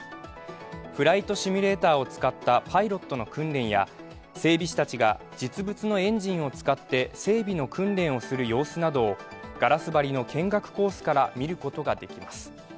フライトシミュレーターを使ったパイロットの訓練や整備士たちが実物のエンジンを使って整備の訓練をする様子などをガラス張りの見学コースから見ることができます。